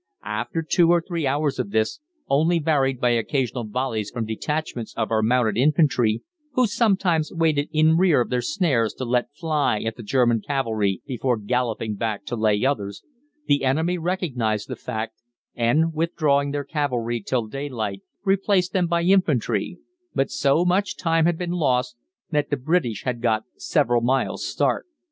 After two or three hours of this, only varied by occasional volleys from detachments of our mounted infantry, who sometimes waited in rear of their snares to let fly at the German cavalry before galloping back to lay others, the enemy recognised the fact, and, withdrawing their cavalry till daylight, replaced them by infantry, but so much time had been lost, that the British had got several miles' start.